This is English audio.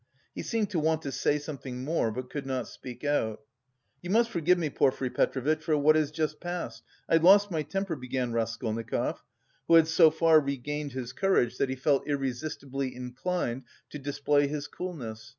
He seemed to want to say something more, but could not speak out. "You must forgive me, Porfiry Petrovitch, for what has just passed... I lost my temper," began Raskolnikov, who had so far regained his courage that he felt irresistibly inclined to display his coolness.